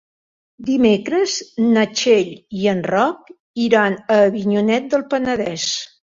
Dimecres na Txell i en Roc iran a Avinyonet del Penedès.